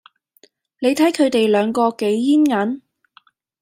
你睇佢地兩個幾煙韌